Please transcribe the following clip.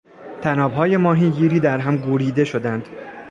طنابهای ماهیگیری در هم گوریده شدند.